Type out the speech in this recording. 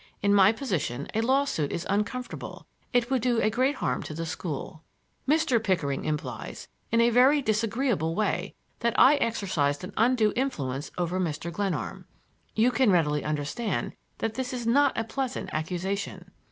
In my position a lawsuit is uncomfortable; it would do a real harm to the school. Mr. Pickering implies in a very disagreeable way that I exercised an undue influence over Mr. Glenarm. You can readily understand that that is not a pleasant accusation."